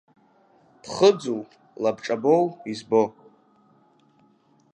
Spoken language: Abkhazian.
Ԥхы-ӡу, лабҿабоу избо?